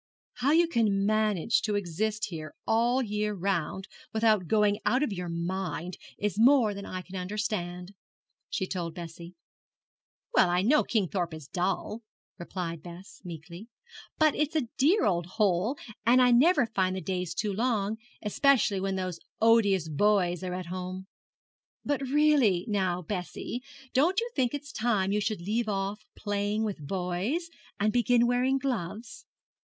'How you can manage to exist here all the year round without going out of your mind is more than I can understand,' she told Bessie. 'Well, I know Kingthorpe is dull,' replied Bess, meekly, 'but it's a dear old hole, and I never find the days too long, especially when those odious boys are at home.' 'But really now, Bessie, don't you think it is time you should leave off playing with boys, and begin wearing gloves?'